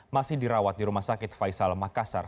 masih dirawat di rumah sakit faisal makassar